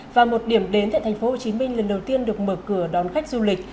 và một điểm đến tại tp hcm lần đầu tiên được mở cửa đón khách du lịch